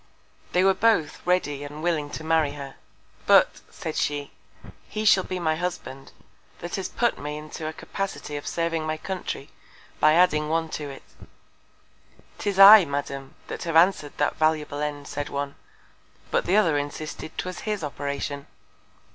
They were both ready and willing to marry her. But, said she, he shall be my Husband, that has put me into a Capacity of serving my Country, by adding one to it. 'Tis I, Madam, that have answered that valuable End, said one; but the other insisted 'twas his Operation.